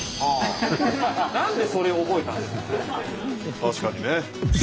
確かにね。